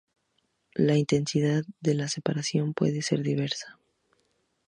La intensidad de la separación puede ser diversa.